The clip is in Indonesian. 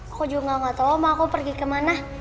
aku juga gak tau om aku pergi ke mana